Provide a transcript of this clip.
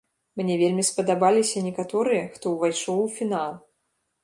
Мне вельмі спадабаліся некаторыя, хто ўвайшоў у фінал.